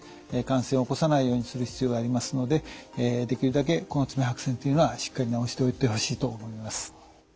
感染を起こさないようにする必要がありますのでできるだけこの爪白癬っていうのはしっかり治しておいてほしいと思います。